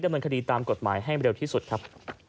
เนินคดีตามกฎหมายให้เร็วที่สุดครับ